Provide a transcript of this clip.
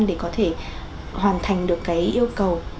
để có thể hoàn thành được yêu cầu